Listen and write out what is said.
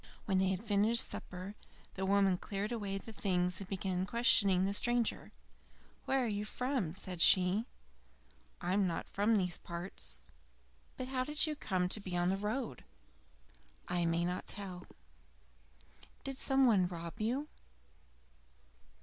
When they had finished supper, the woman cleared away the things and began questioning the stranger. "Where are you from?" said she. "I am not from these parts." "But how did you come to be on the road?" "I may not tell." "Did some one rob you?"